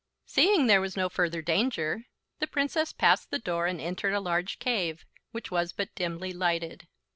Seeing there was no further danger, the Princess passed the door and entered a large cave, which was but dimly lighted.